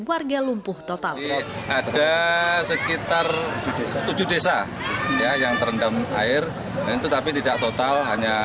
warga lumpuh total